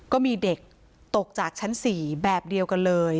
ก็มีเด็กตกจากชั้น๔แบบเดียวกันเลย